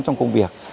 trong công việc